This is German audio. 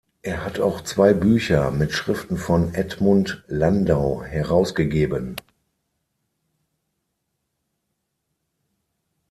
Er hat auch zwei Bücher mit Schriften von Edmund Landau herausgegeben.